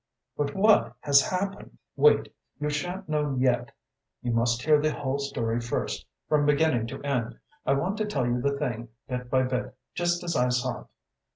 "But what has happened?" "Wait! You shan't know yet. You must hear the whole story first, from beginning to end. I want to tell you the thing bit by bit, just as I saw it."